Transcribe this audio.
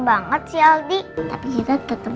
banget sih aldi tapi kita tetap